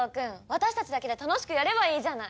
私たちだけで楽しくやればいいじゃない。